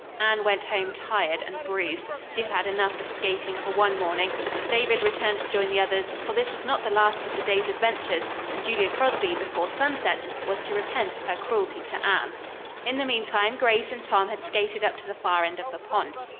Anne went home, tired and bruised. She had had enough of skating for one morning David returned to join the others; for this was not the last of the day's adventures and Julia Crosby, before sunset, was to repent of her cruelty to Anne. In the meantime Grace and Tom had skated up to the far end of the pond.